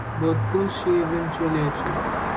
Both goals she eventually achieved.